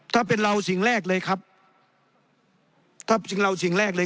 ถ้าเป็นเราสิ่งแรกเลยครับถ้าสิ่งเราสิ่งแรกเลย